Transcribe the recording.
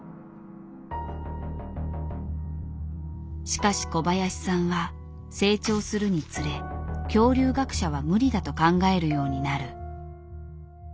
しかし小林さんは成長するにつれ恐竜学者は無理だと考えるようになる。